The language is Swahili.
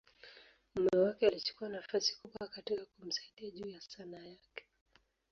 mume wake alichukua nafasi kubwa katika kumsaidia juu ya Sanaa yake.